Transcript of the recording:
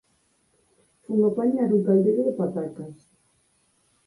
Fun apañar un caldeiro de patacas.